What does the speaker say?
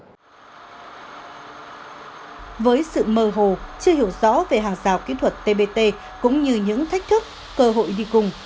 với sự mơ hồ chưa hiểu rõ về hàng rào kỹ thuật tbt cũng như những thách thức cơ hội đi cùng